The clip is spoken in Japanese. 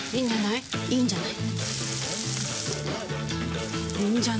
いいんじゃない？